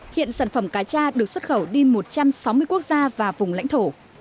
hiện sản phẩm cá cha được xuất khẩu đi một trăm sáu mươi quốc gia và vùng lãnh thổ